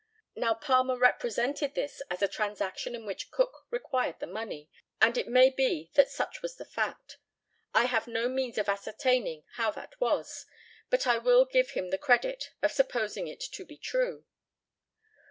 Now Palmer represented this as a transaction in which Cook required the money, and it may be that such was the fact. I have no means of ascertaining how that was; but I will give him the credit of supposing it to be true.